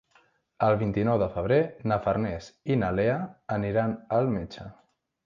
El vint-i-nou de febrer na Farners i na Lea aniran al metge.